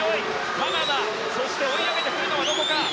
カナダそして追い上げてくるのはどこか。